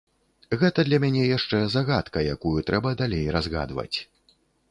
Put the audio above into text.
Гэта для мяне яшчэ загадка, якую трэба далей разгадваць.